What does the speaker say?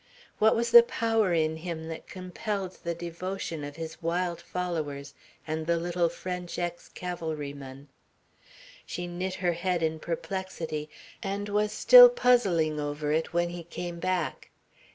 What was the power in him that compelled the devotion of his wild followers and the little French ex cavalryman? She knit her forehead in perplexity and was still puzzling over it when he came back.